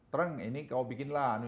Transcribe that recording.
treng ini kau bikinlah